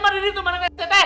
marahin itu mana ngesotnya teh